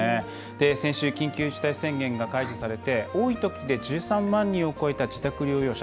先週、緊急事態宣言が解除されて、多いときで１３万人を超えた自宅療養者。